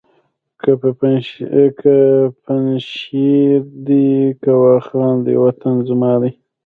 که پنجشېر دی که واخان دی وطن زما دی